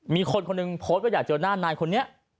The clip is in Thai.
มีคนคนหนึ่งโพสต์ว่าอยากเจอหน้านายคนนี้